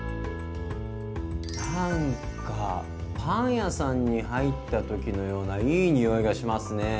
なんかパン屋さんに入った時のようないい匂いがしますね。